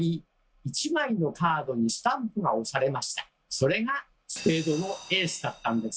それがスペードのエースだったんです。